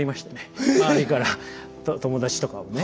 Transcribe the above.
ええっ⁉周りから友達とかもね。